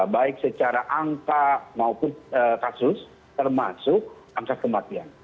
baik secara angka maupun kasus termasuk angka kematian